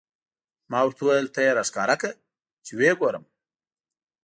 ما ورته وویل: ته یې را ښکاره کړه، چې و یې ګورم.